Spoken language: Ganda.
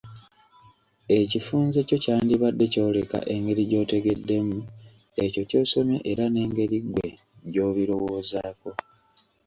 Ekifunze kyo kyandibadde kyoleka engeri gy'otegeddemu ekyo ky'osomye era n'engeri ggwe gy'obirowoozaako.